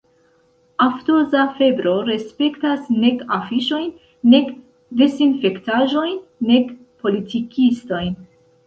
Aftoza febro respektas nek afiŝojn, nek desinfektaĵojn, nek politikistojn.